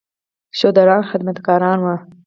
شودران خدمتګاران وو.